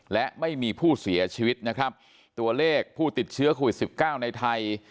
และไม่มีผู้เสียชีวิตนะครับตัวเลขผู้ติดเชื้อโควิดสิบเก้าในไทย